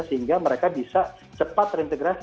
sehingga mereka bisa cepat terintegrasi